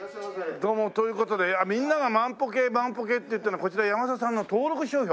どうも。という事でみんなが万歩計万歩計って言ってるのはこちら山佐さんの登録商標？